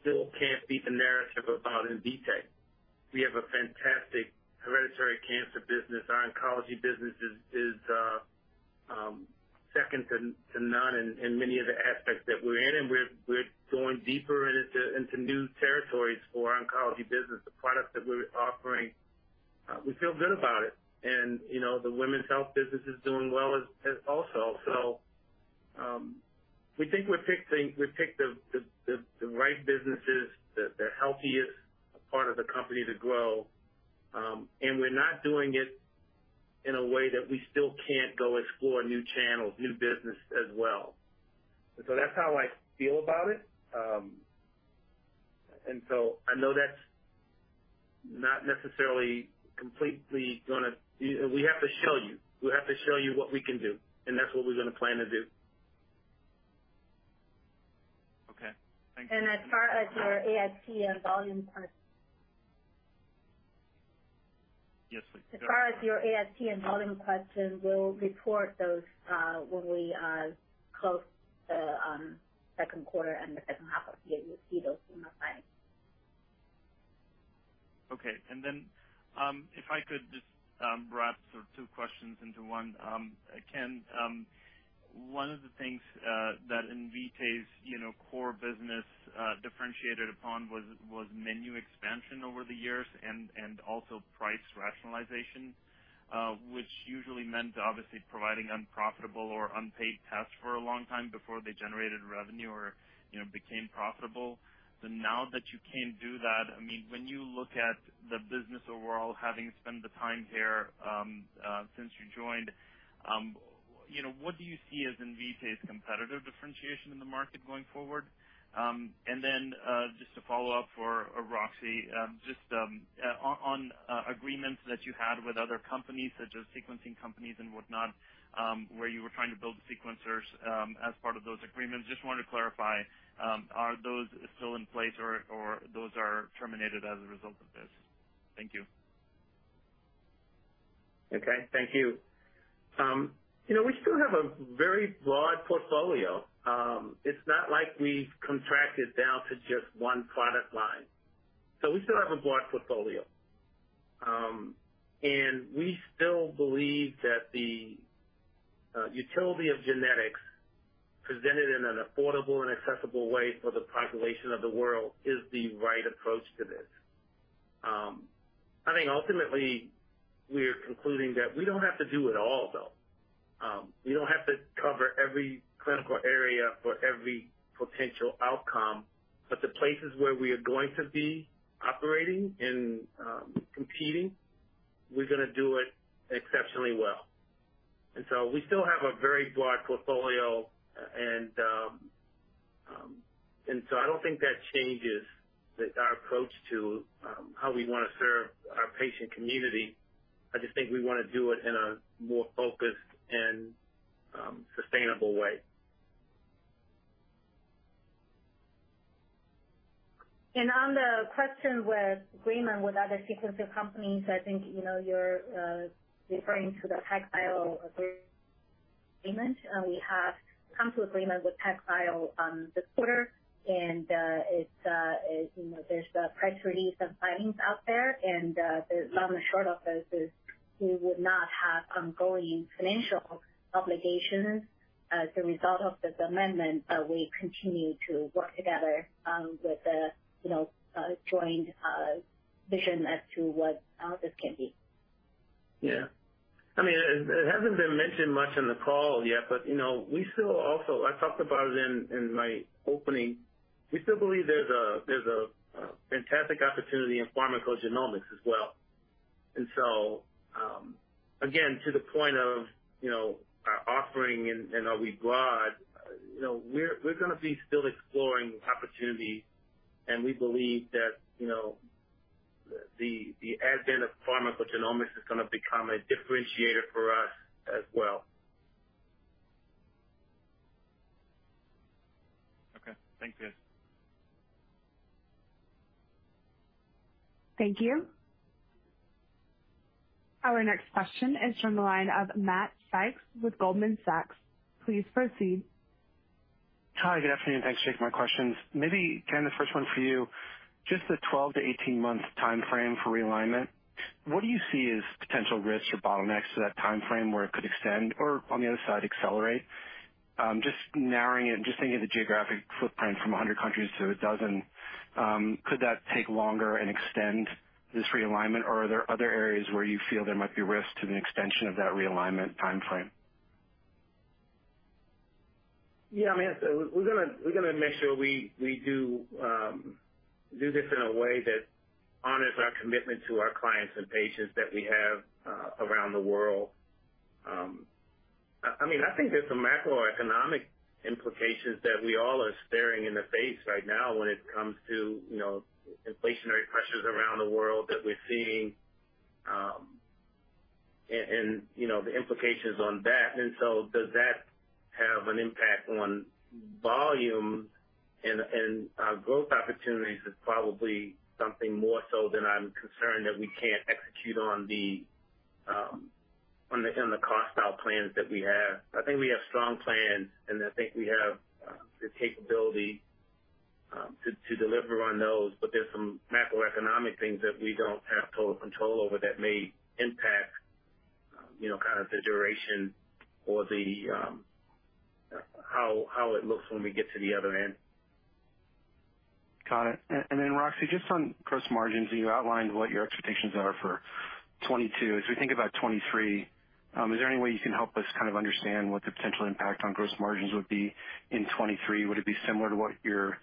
still can't be the narrative about Invitae. We have a fantastic hereditary cancer business. Our oncology business is second to none in many of the aspects that we're in, and we're going deeper into new territories for our oncology business, the products that we're offering. We feel good about it. You know, the women's health business is doing well as also. We think we picked the right businesses, the healthiest part of the company to grow. We're not doing it in a way that we still can't go explore new channels, new business as well. That's how I feel about it. I know that's not necessarily completely gonna. You know, we have to show you what we can do, and that's what we're gonna plan to do. Okay. Thank you. As far as your ASP and volume part. Yes, please. As far as your ASP and volume question, we'll report those when we close the second quarter and the second half of the year. You'll see those in the filings. Okay. If I could just wrap sort of two questions into one. Ken, one of the things that Invitae's you know core business differentiated upon was menu expansion over the years and also price rationalization, which usually meant obviously providing unprofitable or unpaid tests for a long time before they generated revenue or you know became profitable. Now that you can't do that, I mean, when you look at the business overall, having spent the time here since you joined you know what do you see as Invitae's competitive differentiation in the market going forward? Just to follow up for Roxi, just on agreements that you had with other companies, such as sequencing companies and whatnot, where you were trying to build sequencers, as part of those agreements. Just wanted to clarify, are those still in place or those are terminated as a result of this? Thank you. Okay. Thank you. You know, we still have a very broad portfolio. It's not like we've contracted down to just one product line. We still have a broad portfolio. We still believe that the utility of genetics presented in an affordable and accessible way for the population of the world is the right approach to this. I think ultimately, we are concluding that we don't have to do it all, though. We don't have to cover every clinical area for every potential outcome. The places where we are going to be operating and competing, we're gonna do it exceptionally well. We still have a very broad portfolio, and so I don't think that changes our approach to how we wanna serve our patient community. I just think we wanna do it in a more focused and sustainable way. On the question with agreement with other sequencing companies, I think, you know, you're referring to the PacBio agreement. We have come to agreement with PacBio on this quarter, and it's, you know, there's the press release and filings out there. The long and short of this is we would not have ongoing financial obligations as a result of this amendment. We continue to work together with the, you know, joint vision as to what this can be. Yeah. I mean, it hasn't been mentioned much in the call yet, but you know, we still also. I talked about it in my opening. We still believe there's a fantastic opportunity in pharmacogenomics as well. Again, to the point of you know, our offering and are we broad, you know, we're gonna be still exploring opportunities, and we believe that you know, the advent of pharmacogenomics is gonna become a differentiator for us as well. Okay. Thanks, guys. Thank you. Our next question is from the line of Matthew Sykes with Goldman Sachs. Please proceed. Hi, good afternoon. Thanks. Taking my questions. Maybe, Ken, the first one for you, just the 12 to 18-month timeframe for realignment, what do you see as potential risks or bottlenecks to that timeframe where it could extend or on the other side accelerate? Just narrowing it, just thinking of the geographic footprint from 100 countries to 12, could that take longer and extend this realignment or are there other areas where you feel there might be risk to the extension of that realignment timeframe? Yeah, I mean, so we're gonna make sure we do this in a way that honors our commitment to our clients and patients that we have around the world. I mean, I think there's some macroeconomic implications that we all are staring in the face right now when it comes to, you know, inflationary pressures around the world that we're seeing, and, you know, the implications on that. Does that have an impact on volume and growth opportunities is probably something more so than I'm concerned that we can't execute on the cost out plans that we have. I think we have strong plans, and I think we have the capability to deliver on those. There's some macroeconomic things that we don't have total control over that may impact, you know, kind of the duration or the how it looks when we get to the other end. Got it. Roxi, just on gross margins, you outlined what your expectations are for 2022. As we think about 2023, is there any way you can help us kind of understand what the potential impact on gross margins would be in 2023? Would it be similar to what you're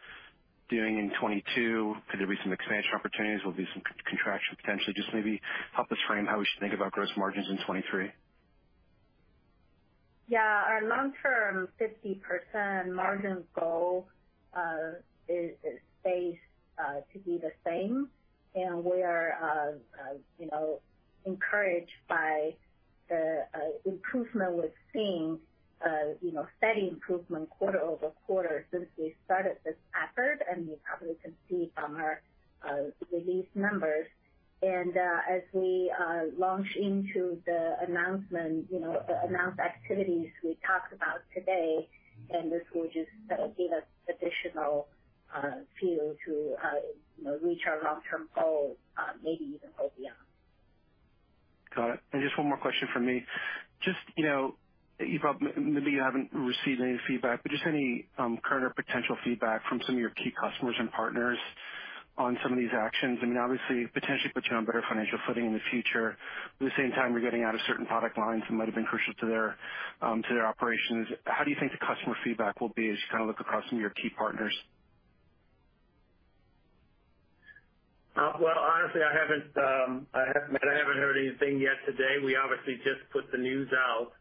doing in 2022? Could there be some expansion opportunities? Will there be some contraction potentially? Just maybe help us frame how we should think about gross margins in 2023. Our long-term 50% margin goal, it stays to be the same. We are, you know, encouraged by the improvement we're seeing, you know, steady improvement quarter-over-quarter since we started this effort. You probably can see from our release numbers. As we launch into the announcement, you know, announce activities we talked about today, and this will just give us additional fuel to, you know, reach our long-term goals, maybe even go beyond. Got it. Just one more question from me. Just, you know, maybe you haven't received any feedback, but just any, current or potential feedback from some of your key customers and partners on some of these actions. I mean, obviously potentially puts you on better financial footing in the future, but at the same time you're getting out of certain product lines that might have been crucial to their operations. How do you think the customer feedback will be as you kind of look across some of your key partners? Well, honestly, I haven't heard anything yet today. We obviously just put the news out.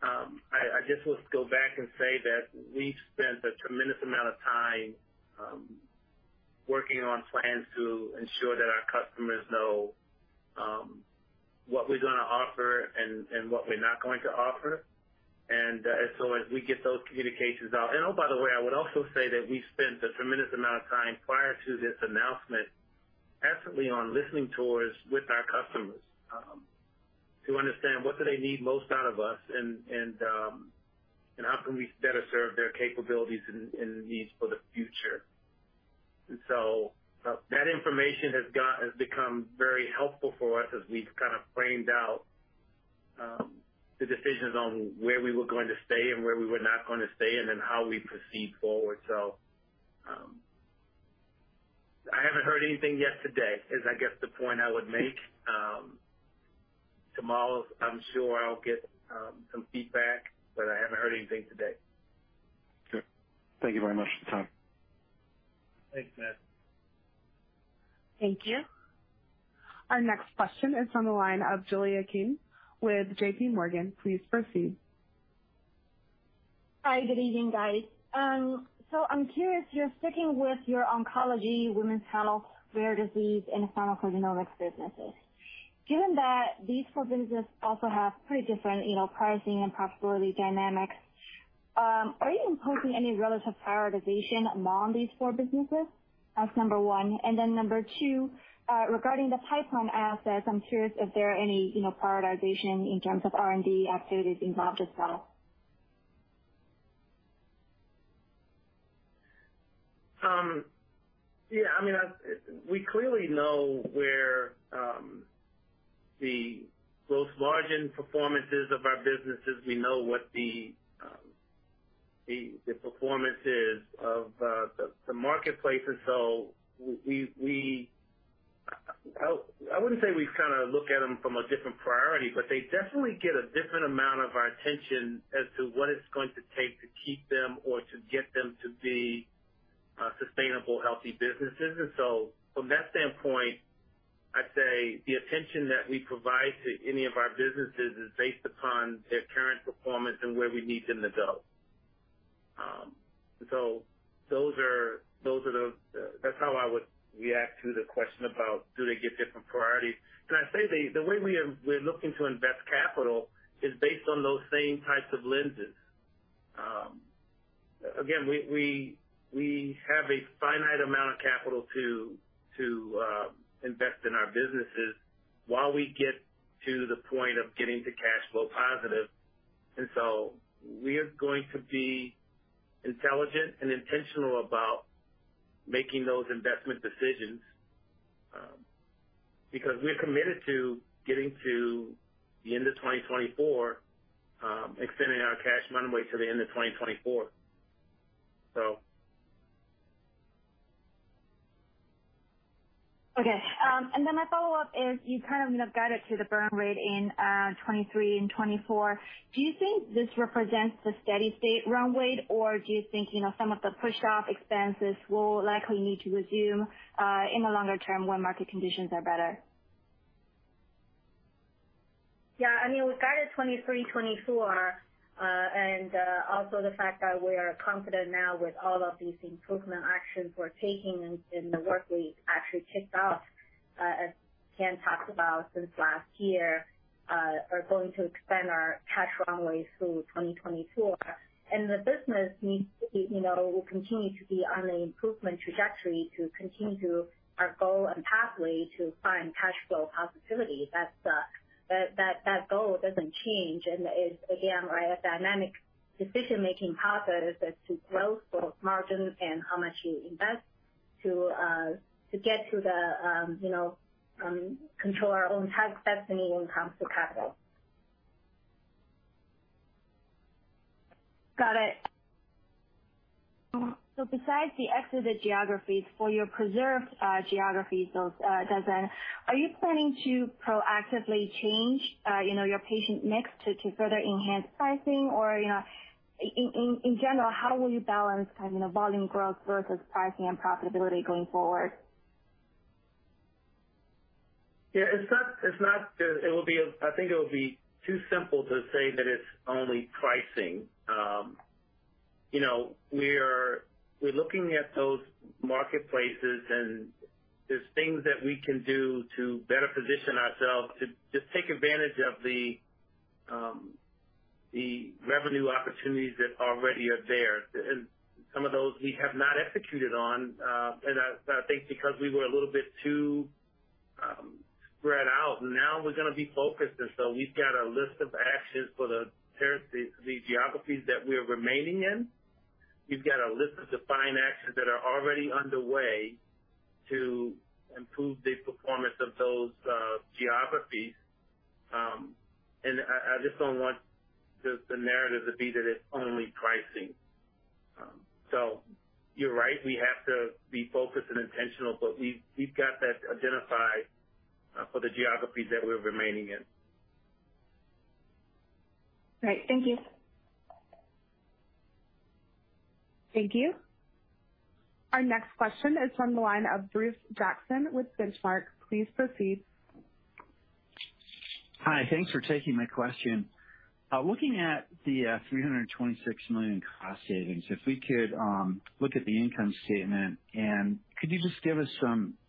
I guess we'll go back and say that we've spent a tremendous amount of time working on plans to ensure that our customers know what we're gonna offer and what we're not going to offer. As we get those communications out. By the way, I would also say that we spent a tremendous amount of time prior to this announcement actively on listening tours with our customers to understand what do they need most out of us and how can we better serve their capabilities and needs for the future. That information has become very helpful for us as we've kind of framed out the decisions on where we were going to stay and where we were not gonna stay, and then how we proceed forward. I haven't heard anything yet today is I guess the point I would make. Tomorrow I'm sure I'll get some feedback, but I haven't heard anything today. Sure. Thank you very much for the time. Thanks, Matt. Thank you. Our next question is on the line of Julia King with JP Morgan. Please proceed. Hi, good evening, guys. I'm curious, you're sticking with your oncology, women's health, rare disease, and pharmacogenomics businesses. Given that these four businesses also have pretty different, you know, pricing and profitability dynamics, are you imposing any relative prioritization among these four businesses? That's number one. Number two, regarding the pipeline assets, I'm curious if there are any, you know, prioritization in terms of R&D activities involved as well. Yeah, I mean, we clearly know where the gross margin performances of our businesses, we know what the performance is of the marketplace. I wouldn't say we've kinda looked at them from a different priority, but they definitely get a different amount of our attention as to what it's going to take to keep them or to get them to be sustainable, healthy businesses. From that standpoint, I'd say the attention that we provide to any of our businesses is based upon their current performance and where we need them to go. That's how I would react to the question about do they get different priorities. Can I say the way we're looking to invest capital is based on those same types of lenses. Again, we have a finite amount of capital to invest in our businesses while we get to the point of getting to cash flow positive. We are going to be intelligent and intentional about making those investment decisions, because we're committed to getting to the end of 2024, extending our cash runway to the end of 2024. Okay. My follow-up is you kind of, you know, guided to the burn rate in 2023 and 2024. Do you think this represents the steady state runway? Or do you think, you know, some of the pushoff expenses will likely need to resume in the longer term when market conditions are better? Yeah, I mean, we guided 23, 24, and also the fact that we are confident now with all of these improvement actions we're taking and the work we actually kicked off, as Ken talked about since last year, are going to extend our cash runway through 2024. The business needs to be, will continue to be on the improvement trajectory to continue to our goal and pathway to find cash flow positivity. That's, that goal doesn't change and is again, right, a dynamic decision-making process as to growth, gross margin, and how much you invest to get to the, control our own destiny when it comes to capital. Got it. Besides the exited geographies for your preserved geographies, those dozen, are you planning to proactively change you know your patient mix to further enhance pricing? Or you know in general how will you balance kind of volume growth versus pricing and profitability going forward? Yeah, it's not. I think it would be too simple to say that it's only pricing. You know, we're looking at those marketplaces, and there's things that we can do to better position ourselves to just take advantage of the revenue opportunities that already are there. Some of those we have not executed on, and I think because we were a little bit too spread out, and now we're gonna be focused. We've got a list of actions for the territories, the geographies that we're remaining in. We've got a list of defined actions that are already underway to improve the performance of those geographies. I just don't want the narrative to be that it's only pricing. You're right, we have to be focused and intentional, but we've got that identified for the geographies that we're remaining in. Right. Thank you. Thank you. Our next question is from the line of Bruce Jackson with Benchmark. Please proceed. Hi. Thanks for taking my question. Looking at the $326 million cost savings, if we could look at the income statement, and could you just give us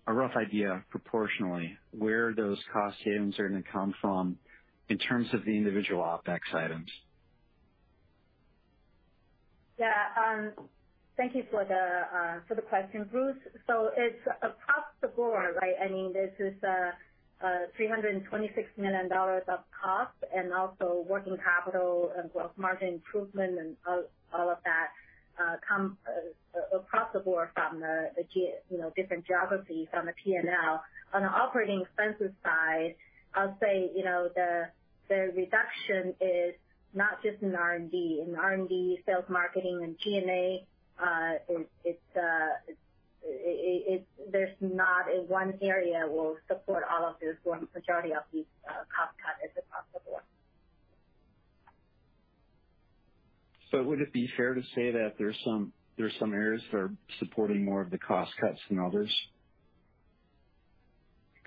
a rough idea proportionally where those cost savings are gonna come from in terms of the individual OpEx items? Yeah. Thank you for the question, Bruce. It's across the board, right? I mean, this is $326 million of costs and also working capital and gross margin improvement and all of that comes across the board from the different geographies on the P&L. On the operating expenses side, I'll say, you know, the reduction is not just in R&D. In R&D, sales, marketing, and G&A, it's that there's not one area that will support all of this or the majority of these cost cuts across the board. Would it be fair to say that there's some areas that are supporting more of the cost cuts than others?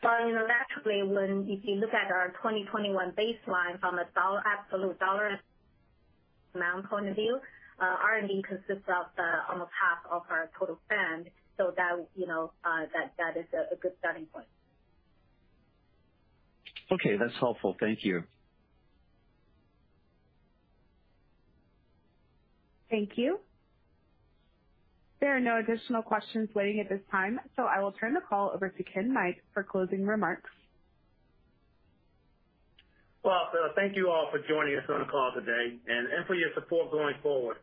Well, you know, naturally, if you look at our 2021 baseline from a absolute dollar amount point of view, R&D consists of almost half of our total spend. That is a good starting point. Okay, that's helpful. Thank you. Thank you. There are no additional questions waiting at this time, so I will turn the call over to Ken Knight for closing remarks. Thank you all for joining us on the call today and for your support going forward.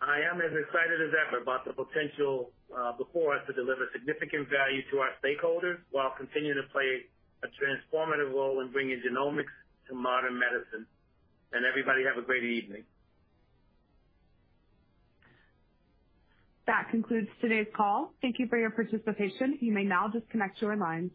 I am as excited as ever about the potential before us to deliver significant value to our stakeholders while continuing to play a transformative role in bringing genomics to modern medicine. Everybody, have a great evening. That concludes today's call. Thank you for your participation. You may now disconnect your lines.